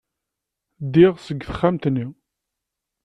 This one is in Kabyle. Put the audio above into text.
Ddiɣ seg texxamt-nni.